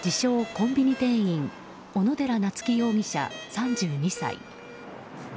コンビニ店員小野寺夏輝容疑者、３２歳。